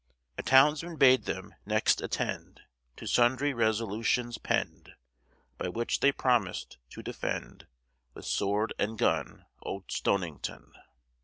A townsman bade them, next, attend To sundry resolutions penn'd, By which they promised to defend With sword and gun old Stonington.